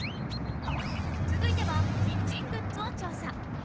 続いてはキッチングッズを調査。